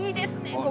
ここ。